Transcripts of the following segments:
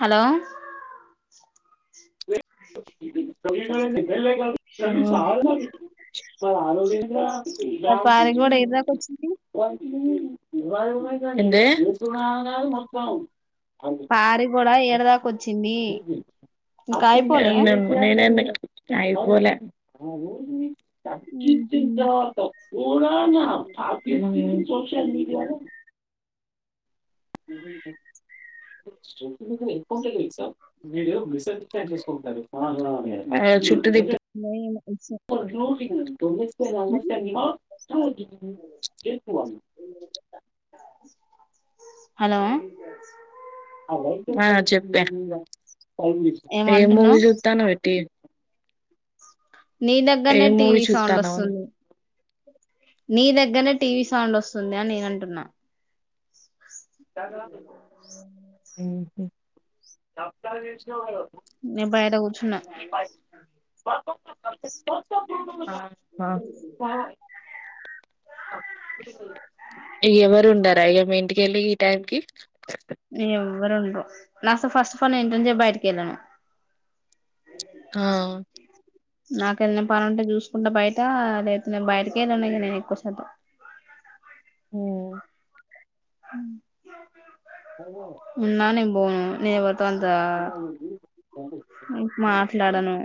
Hello ఆ బాగుంది లేరా నీ మరి పారి లాంటిది కూడా ఏడదాకా వచ్చింది ఏంది పారి కూడా ఏడదాక వచ్చింది ఇంకా అయిపోలే నేను నేనేమి లే అయిపోలే ఉహు పట్టించిన తర్వాత ఘోరా ఊ సోషల్ మీడియాలో ఇంపార్టెంట్ ఎగ్జామ్ మీరేమో మిస్ అయిపోయారు మిస్ క్యార్ చేసుకుంటున్నారు ఆ హా వీళ్ళఇ ఏమన్నా తెలుసా ఆ హలో ఆ చెప్పే ఏ మూవీ ఏమంటున్నావు చూతానవు పెట్టి నీ ఏ దగ్గరనే మూవీ టీవీ సౌండ్ చూస్తాను వస్తుంది నీ దగ్గరనే టీవీ సౌండ్ వస్తుంది అని నీను అంటున్నా ఉ హు నీను బయట కూర్చున్న ఆహా ఇగ ఎవరు ఉండారా ఇగ మీ ఇంటిక వెళ్ళి ఈ టైం కి ఎవరు ఉండరు నాస ఫస్ట్ ఆఫ్ ఆల్ నేను ఇంట్లో కెళ్ళి బయటికి వెళ్ళాను ఆ నాకు ఏదైనా పని ఉంటే చూసుకుంటా బయట లేకపోతే నేను బయటకు వెళ్ళను నీను ఎక్కువ శాతం మాట్లాడుతా ఉ ఉన్నా నీను పోను నేను పోతాందా ఉ మాట్లాడను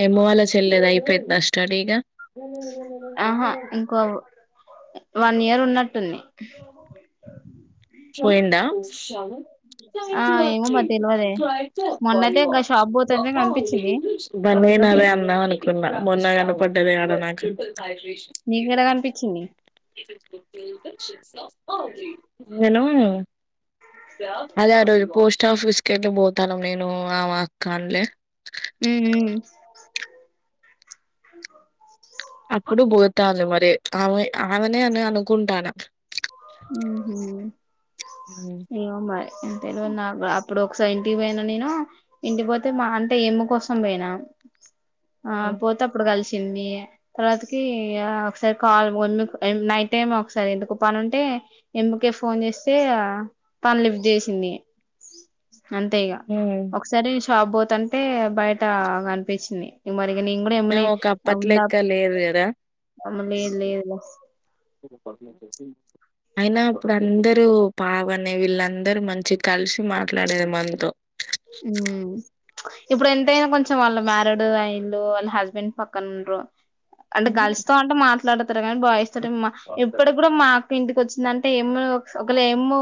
హేమ వాళ్ళ చెల్లెదీ అయిపోయిద స్టడీ ఇగ ఆహా ఇంకో వన్ ఇయర్ ఉన్నట్టుంది పోయిందా షాను ఆ ఏమో మరి తెలవదే పోయింది మొన్నయితే గా షాప్ పోతుంటే కనిపించింది మరి ఉందో నీను అదే అదే పోయిందో అందం అనుకున్నా మొన్ననే కనపడ్డదీ ఆడ నాకు నీకేడ కనిపించింది ్రిల్ హైడ్రేషన్ వినూ అదే ఆ రోజు పోస్ట్ ఆఫీస్ కెళ్ళి పోతానం నేను ఆమా క్కాన్లే ఉమ్ అప్పుడు బోతాంది మరి ఆమె ఆమెనే అని అనుకుంటానా ఉమ్ హు ఏమో మరి తెల్వదు నాగ్గుడ అప్ ప్పుడోకసారి ఇంటికి పోయినా నేనూ ఇంటికి పోతే మా అంటే ఏమ్ము కోసం పోయినా ఆ పోతే అప్పుడు గలిసి తర్వాతకి ఆ ఒకసారి కాల్ వన్నుకు ఎన్ నైట్ టైం ఒకసారి ఎందుకొ పానం టే ఎమ్ముకే ఫోన్ చేస్తే ఆ కాల్ లిఫ్ట్ చేసింది అంతే ఇగా ఒకసారి షాప్ పోతాంటే బయట కనిపిచ్చింది ఇగ మల్ ఇగ నేన్ గుడా మ్ ఎమ్మనే ఒక ఆ ఉండా అప్పట్లెక్క లేదు కదా అమ్మ లేదు లేదు లే వర్క్ నేన్ చేసి అయినా అప్పుడందరూ బాగానే వీళ్ళందరూ మంచిగ్ కలిసి మాట్లాడేది మనతో ఇప్పుడు ఎంతైనా కొంచెం వాళ్ళ మ్యారెడ్ ఐన్లు వాళ్ళ హస్బెండ్ పక్కనుండ్రు అంటే గర్ల్స్ తొ అంటే మాట్లాడతరు గనీ బాయిస్ తొటి మా ఇప్పటిగ్గుడ మాక్కింటిక్ కొచ్చిందంటే ఎమ్మొ ఒకలెమ్మో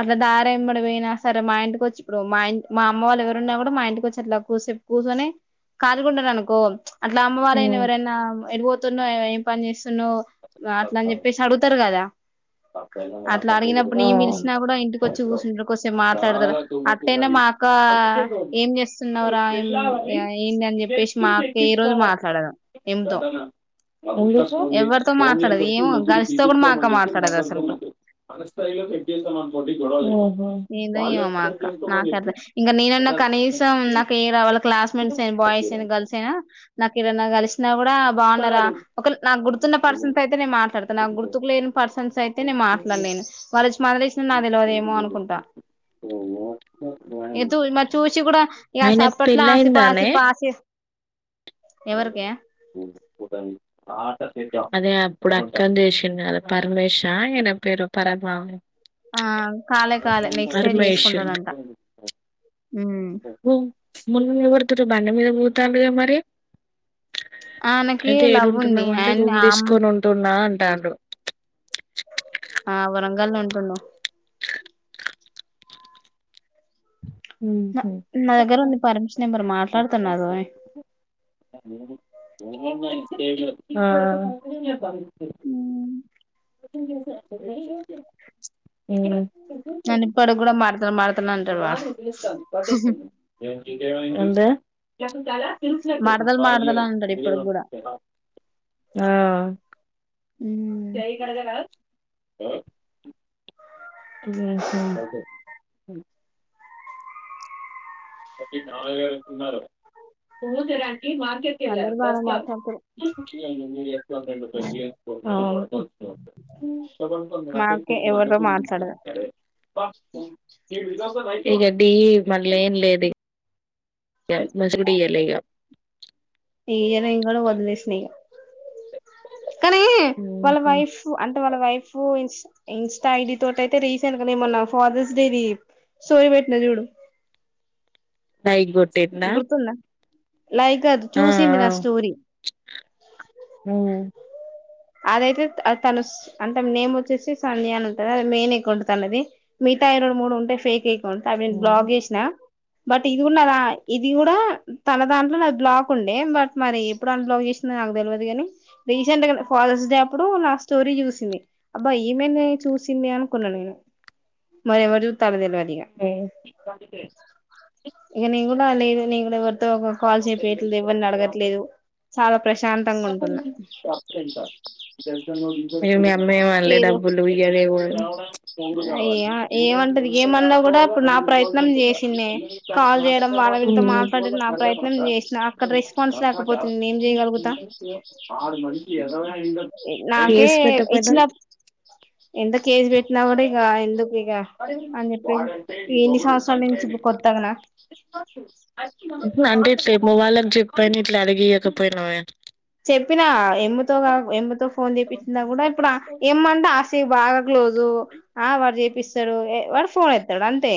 అట్లా దారెంబడి పోయినా సరే మా ఇంటికొచ్చి ఇప్పుడు మా ఇన్ మా అమ్మ వాళ్లెవరున్నా గూడ మా ఇంటికొచ్చి అట్లా కొద్సేపు కూసోని కాలిగుంటరనుకో అట్ల అమ్మవారైన ఎవరైనా ఎడుపోతున్నవ్ ఏం పని జేస్ స్తున్నవ్ అట్ల అని జెప్పేసి అడుగుతరు గదా ఆ అట్లడిగినప్పుడు నేన్ పిలిసినా గుడ ఇంటికొచ్చి గుసుంట్రు కొద్సేపు మాట్లాడతరు అట్టయినా మాట్ కా ఏం జేస్తున్నవురా ఏం ఇగ ఏందని జెప్పేసి మాక్క ఏ రోజు మాట్లాడదు ఎంతో ఎవరితో మాట్లాడదు ఏమో గర్ల్స్తో కూడా మా అక్క ఎందుకు మాట్లాడదు అసలుకు ఉమ్ ఏందో ఏమో మా అక్క నాకు అర్థం హ్ కనీసం నాపేరా క్లాస్మెంట్ అయిన బాయ్స్ అయిన గర్ల్స్ అయినా నాకేడన్న గలిసినా గూడా బావున్నరా ఒకల్ గుర్తున్న పర్సన్స్ అయితే నేను మాట్లాడతా నాక్ గుర్తుకు లేని పర్సన్స్ అయితే నేను మాట్లాడలేను వాల్లోచ్చి మాట్లాడిచ్చిన నా నాక్ దెలవదేమో అనుకుంటా ఓవునా ఏతు మరి చూసి గూడ ఆయనకు ఇగసప్పట్ల ఆసిప పెళ్ళయిందానే ఆసిప ఆసి ఎవరికే అదే అప్పుడు అక్కన్ జేసిండు గద పరమేశా ఆయన పేరు పర ఆ కాలే కాలే నెక్స్ట్ ఇయర్ పరమేష్ ఎ చేసుకుంటాడంట ఉమ్ ఒ మొన్ననె ఎవర్తోటో బండి మీద పోతాండుగా మరి ఆయనకి అయితే లవ్ ఉంది ఏడుంటున్నవంటే అండ్ రూమ్ తీసుకొని ఉంటున్నా అన్ టాండు ఆ వరంగల్ల వుంటుండు న నా దగ్గర ఉంది పరమేష్ నంబరు మాట్లాడుతున్నారు ఆ ఉమ్ ఉమ్ నన్నీప్పడిగ్గుడ మాడ్తలేవ్ మాడ్తలేవ్ ఏంటీ మడతలు మడతలు బాగలేడు అంటాడు ఇప్పటికి కూడా [unintelligible] ఆ మ్మ్ చెయ్యి గడగరా ఆ టువేల్ ఫైవ్ వచ్చి నాలుగేళ్ళున్నారు పూలు తేడానికి మార్కెట్కి వెళ్ళారు అందరు బానే వస్తారు మాట్లాడతారు అవును తెలుపు మాకే ఎవరితో మల్లెపూలు మాట్లాడదు తీసుకొచ్చాడే పా హి విల్ గో ఇగ ఢీ మళ్ళ ఏం లేదు మేజ్ గూడా ఇయ్యలే ఇగ ఇయరింగ్ గూడా వదిలేసిన ఇగ కానీ వాళ్ళ వైఫ్ అంటే వాళ్ళ వైఫ్ ఇన్స్ట్రా ఐడి తోటి అయితే రీసెంట్ గా నేమొన్న ఫాదర్స్ డేది స్టోరీ పెట్టిన చూడు లైక్ గొట్టిందా గుర్తుందా లైక్ గాదు చూసింది నా స్టోరీ ఆ అదైతే తను అంటే నేమ్ వచ్చేసి సంధ్య అని ఉంటంది అది మెయిన్ ఎకౌంట్ తనది మీ ఉంటాయ్ రెండు మూడు ఉంటాయి ఫేక్ ఎకౌంట్ అవి నేన్ బ్లాక్ జేసినా బట్ ఇది ఉన్నదా ఇది గూడా తన దాంట్లో నాది బ్లాక్ ఉండే బట్ మరి ఎప్పుడు అన్బ్లాక్ జేసిందో నాకు దెలవదు గానీ రీసెంట్గా ఫాదర్స్ డే అప్పుడు నా స్టోరీ చూసింది అబ్బా ఈమెంది చూసింది అనుకున్నా నేను మరి ఎవరు జూత్తారో దెలువది ఏ సిక్స్ ఫార్టీకే ఇగ నేన్ గూడా లేదు నేన్ గూడా ఎవరితో ఒక కాల్ చేపియట్లేదు ఎవరిని అడగట్లేదు చాలా ప్రశాంతంగా ఉంటున్నా ఇగ మీ అత్త మేవళ్ళే ఏదో డబ్బులు ఇగ లేవు ఏ ఏమంటది ఏమన్నా కూడా ఇప్పుడు నా ప్రయత్నం జేసింన్నే కాల్ జేయడం వాళ్ళ వీళ్ళతో మాట్లాడం నా ప్రయత్నం జేసిన అక్కడ రెస్పాన్స్ రాకపోతే ఏం నేనేం జేయ గలుగుతా పోత నాకే చేసి పెట్టకపోయినా ఇచ్చిన ఎంత కేస్ బేట్టినా గూడా ఇగ ఎందుకు ఇగ అని జెప్పేసి ఎన్ని సంవత్సరాల నుంచి ఇప్పుడు కొత్తగనా అంటే ఇట్లే ఎమ్ము వాళ్ళకి జెప్పైనా ఇట్లా అడిగీయకపోయినవే చెప్పిన ఎమ్ముతో ఎమ్ముతో ఫోన్ జేపిచ్చినా గూడా ఇప్పుడు ఎమ్మ అంటే ఆస్తి బాగా క్లోజు ఆ వాడు చేపిస్తాడు వాడు ఫోన్ ఎత్తడు అంతే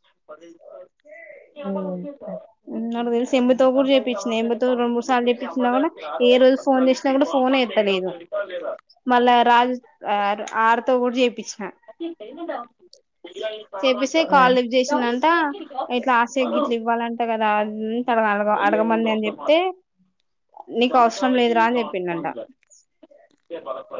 ఉమ్ [inaudible] ఉమ్ వాళ్ళకి దెలుసు ఎమ్ముతో గూడా జేపిచిన ఎమ్ముతో రెండు మూడుసార్లు చెప్పించిన గూడా ఏ రోజు ఫోన్ జేసినా గూడా ఫోన్ ఎత్త [unintelligible] మళ్ళా రాజు ఆర్ తో గూడా జేపిచ్చిన కైనాదా చేపిస్తే కాల్ లిఫ్ట్ చేసిందంట ఉమ్ ఉమ్ తనని అడగ అడగమని నేన్ చెప్తే నీకు అవసరం లేదురా అని చెప్పిండంట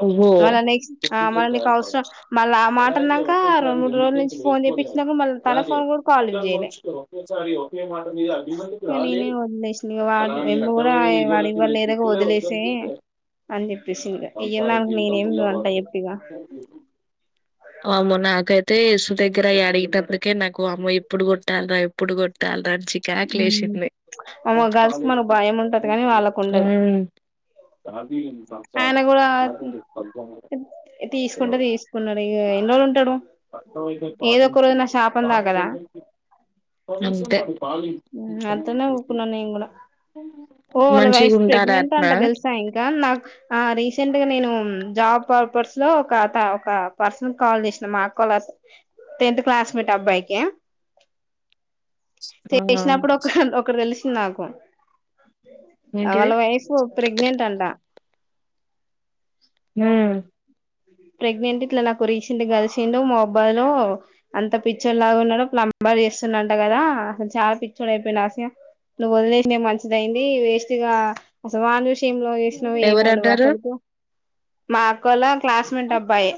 ఓహో మళ్ళ నెక్స్ట్ ఆ మళ్ళ నీకు అవసరం మళ్ళా ఆ మాట అన్నాక రెండు మూడు రోజుల నుంచి ఫోన్ చేపిచ్చిన తన ఫోన్ కూడా కాల్ లిఫ్ట్ చేయలే ఇగ నేనే వదిలేషిన ఇగ వా ఎమ్ము గూడా అయ్ వాడ్ వదిలేసేయ్ అని జెప్పేసింది ఇగ ఏందా ఓ అమ్మో నాకైతే ఏసు దగ్గర ఇగ అడిగేటప్పటికే నాకు అమ్మో ఎప్పుడు కొట్టాలిరా ఎప్పుడు కొట్టాలిరా చికాకు ఉమ్ లేసింది. అమో గర్ల్స్ కి మనకు భయం ఉంటది కానీ వాళ్ళకు ఉండదు ఊమ్ ఆయన గూడా తీసుకుంటే తీసుకున్నాడు ఇగ ఎన్ని రోజులు ఉంటాడు? పట్టమతేయి ఏదో పాటించిందా అంతుకనే ఊరుకున్న నేను గూడా ఓ వాళ్ళ వైఫ్ మంచిగుంటారా ప్రగ్నంట్ అంట అట్నా తెలుసా ఇంకా నాక్ ఆ రీసెంట్ గా నేను జాబ్ పర్పర్స్ లో ఒక త ఒక పర్సన్ కి కాల్ చేసిన మా అక్కోల త తెన్త్ క్లాస్మేట్ అబ్బాయిక? ఆ చేసినప్పుడు ఒక ఒకరు తెలుస్ నాకు ఆ ఏంటిది వాళ్ళ వైఫ్ ప్రెగ్నెంట్ అంట హుమ్ ప్రెగ్నెంట్ ఇట్లా నాకు రీసెంట్గా కలిసిండు మొబ్బై లో అంత పిచ్చోడు లాగా ఉన్నాడు ప్లంబర్ అవి చేస్తుండంట గదా అసలు చాలా పిచ్చోడు అయిపోయిండు ఆసియా నువ్వు వదిలేసిందే మంచిదయింది వేస్ట్ గా అసలు వాన్ని చూస్ ఏం లవ్ చేసినవో ఏమో నువ్వు ఎవరన్నారు అసలుకి స్ మెంట్ అబ్బాయే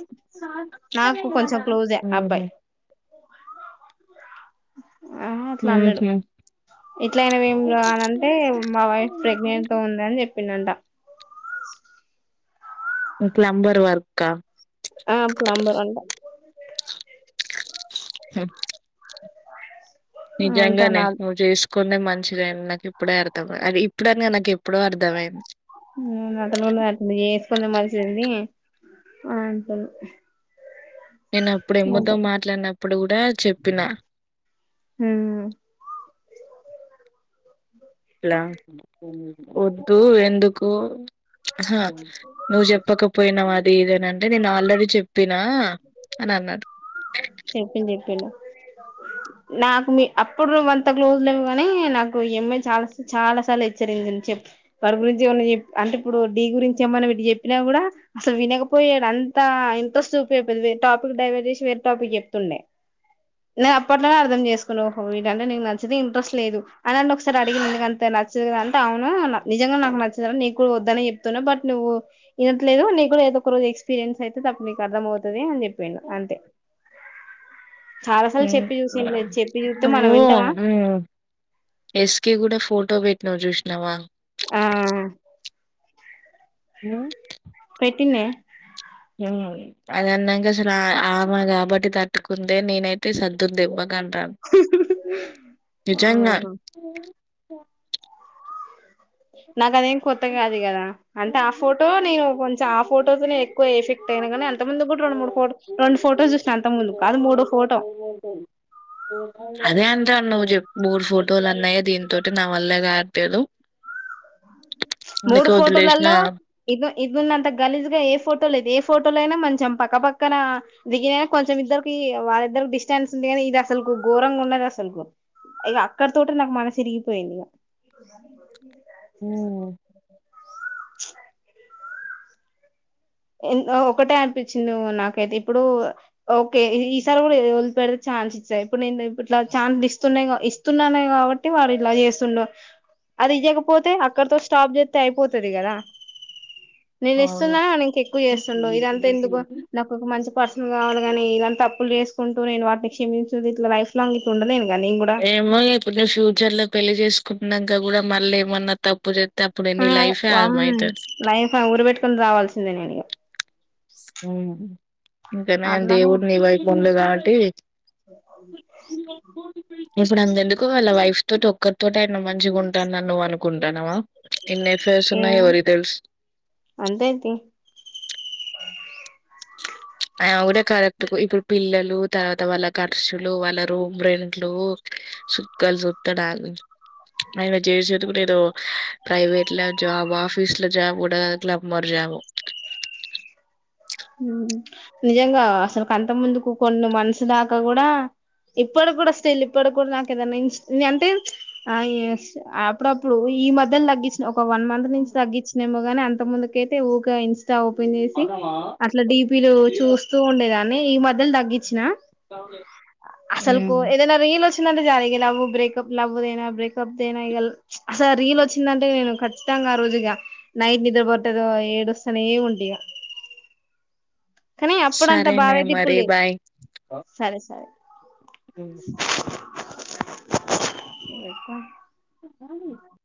నాకు కొంచెం క్లోజే ఊహూ అబ్బాయి ఊ హుమ్ ఇట్లయినవ్ ఏమి రా అనంటే మా వైఫ్ ప్రెగ్నెంట్ తో ఉందని చెప్పిండంట. ప్లంబర్ వర్కా? ఆ ప్లంబర్ అంట ఉ అంటా నిజంగానే నాతో నువ్వు చేస్ కో కుండ మంచిగయింది నాకు ఇప్పుడే అర్థం అది ఇప్పుడని గాదు నాకు ఎప్పుడో అర్థమయింది. హూమ్ [unintelligible] ఇప్పుడు చేస్కుంది మా చెల్లి అంటది. నేను అప్పుడు ఇమ్ముతో మాట్లాడినప్పుడు గూడా చెప్పినా ఊమ్ వద్దు ఎందుకు? అహా నువ్వు చెప్పకపోయినవా అది ఇది అనంటే నేను ఆల్రెడీ చెప్పినా అని అన్నాడు. చెప్పిండు చెప్పిండు. నాకు మీ అప్పుడు నువ్వంత అంత క్లోజ్లు లేము గానీ నాకు ఈ అమ్మాయి చాలా చాలా సార్లు హెచ్చరించింద్ చెప్ వారి గురించి ఏమన్నా చెప్ అంటే ఇప్పుడు డీ గురించి ఏమన్నా వీడు చెప్పినా గూడా అసలు వినకపోయాడు. అన్ అంత ఇంట్రెస్ట్ చూపియ్యకపోయేది టాపిక్ డైవర్ట్ చేసి వేరే టాపిక్ చెప్తుండే. నే అప్ ప్పట్లోనే అర్థం చేసుకోవాలి ఓహో వీడంటే నీకు నచ్చది ఇంట్రెస్ట్ లేదు అనంటే ఒకసారి అడిగినందుకు అంత నచ్చదు అంతా అవును నిజంగా నాకు నచ్చదు నీగ్గూడ వద్దనే చెప్తున్నా బట్ నువ్వు వినట్లేదు నీగ్కూడ ఏదోక రోజు ఎక్స్ పీరియన్స్ అయితది అప్పుడు నీకు అర్థం అవుతది అని చెప్పిండు అంతే చాలా సార్లు ఉమ్, చెప్ నువ్వు ఊమ్ ఎక్స్ కీ గూడ ఫోటో పెట్టినవ్ చూసినవా? ఆ ఊమ్ గట్టిగున్నాయా? అది అన్న ఇంక అసలు ఆమె కాబట్టి తట్టుకుందే నేనైతే సద్దును దెబ్బ ఆ నిజంగా నాకు అదేం కొత్త కాది గదా అంటే ఆ ఫోటో నేను కొంచెం ఆ ఫోటోతో నేను ఎక్కువ ఎఫెక్ట్ అయినా కాని అంత ముందు కూడా రెండు మూడు ఫోటో రెండు ఫోటో చూసిన అంత ముందు కాదు మూడో ఫోటో అదే అంటా నువ్వు చెప్ప మూర్డు ఫోటోలు అన్నాయ దీని తోటి నా వల్ల కాట్లేదు మూడు ఫోటోలలో ఇది ఇదిన్నంత గలీజగా ఏ ఫోటో లేదు ఫోటోలో అయినా కొంచం పక్క పక్కన దిగినైనా కొంచెం ఇద్దరికి వాళ్ళిద్దరి డిస్టెన్స్ ఉంది కానీ ఇది అసలు ఘోరంగా ఉన్నది అసలు ఇక అక్కడ తోటే నాకు మనసురిగిపోయింది ఇక హ చ్ ఒకటే అనిపించింది నాకైతే ఇప్పుడు ఓకే ఈసారి కూడా వదిలిపేడ ఛాన్స్ ఇచ్చా ఇప్పుడు నేను ఇ ఇట్లా ఛాన్ ఇస్తున్నాయి ఇస్తున్నానే కాబట్టి వాడు ఇలా చేస్తుండు అది ఇయ్వకపోతే అక్కడతో స్టాప్ చేస్తే అయిపోతది కదా నేను అవును ఇస్తున్నా ఇంకెక్కువ చేస్తుండు ఇదంతా ఎందుకు నాకొక మంచి మంచి పర్సన్ల్ కావాలి కానీ ఇలాంటి తప్పులు చేసుకుంటూ నేను వాటిని క్షమించు ఇట్ లైఫ్ లాంగ్ ఇట్ ఉండను నేను కూడా ఏమో ఇప్పుడు నేను ఫ్యూచర్ లో పెళ్లి చేసుకున్నాక కూడా మళ్ళ ఏమన్నా తప్పు చే ఆమ్ వా లైఫ్ ఉరి పెట్టుకుని చావాల్సిందే నేను ఇగ ఇంకా నయం అట్లానే దేవుడి నీ వైపు ఉండే కాబట్టి ఇప్పుడు అంత ఎందుకు వాళ్ళ వైఫ్ తోటి ఒక్కరితోటి అయిన మంచిగా ఉంటాడు అని నువ్ అనుకుంటాన్నావా ఇన్ని ఎఫేర్స్ ఉన్నాయి ఏమో ఎవరికి తెలుస్ అంతే తీ అయిన కూడా కరెక్ట్ ఇప్పుడు పిల్లలు తర్వాత వాళ్ళ ఖర్చులు వాళ్ళ రూమ్ రెంట్లు సుక్కలు సతడాగు ఆయన చేసేందుకు లేదో ప్రైవేట్ లో జాబ్ ఆఫీస్ లో జాబ్ కూడా క్లబ్ మరి జాబ్ నిజంగా అసలుక అంత ముందుకు కొన్ని మంత్స్ దాకా కూడా ఇప్పడు కూడా స్టిల్ ఇప్పడు కూడా నాకు ఏదనా అంటే ఆ అప్పుడప్పుడు ఈ మధ్యలో తగ్గిచి ఒక వన్ మంత్ నుంచి తగ్గించినేమో గానీ అంత ముందుకైతే ఊగా ఇన్స్టా ఓపెన్ చేసి ఇట్లా డిపీలు చూస్తూ ఉండేదాన్ని ఈ మధ్యల తగ్గించినా అసలుకు హ్మ్. ఏదైనా రి ల్ వచ్చిందంటే చాలు లవ్ బ్రేప్ లవ్దైన బ్రేకప్నా ఇ అసలు రీల్ వచ్చిందంటే నేను ఖచ్చిత ఆ రోజు ఇగ నైట్ నిద్ర పట్టదో ఏడుస్తనే ఉంటేక కానీ అప్పుడంతా సరేనే బాధే ఇప్పుడు మరి లేదు బాయ్. సరే సరే హ్మ్. ఎ కాలే